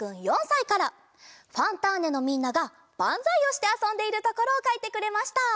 「ファンターネ！」のみんながバンザイをしてあそんでいるところをかいてくれました。